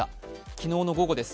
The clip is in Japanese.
昨日の午後です。